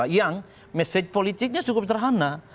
yang mesej politiknya cukup terhana